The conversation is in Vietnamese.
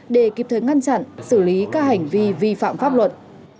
để kịp thời ngăn chặn xử lý các hành vi vi phạm pháp luật